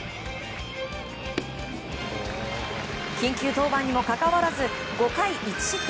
緊急登板にもかかわらず５回１失点。